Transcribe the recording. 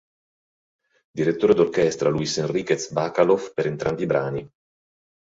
Direttore d'orchestra Luis Enriquez Bacalov per entrambi i brani.